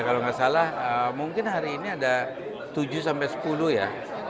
kalau nggak salah mungkin hari ini ada tujuh sampai sepuluh ya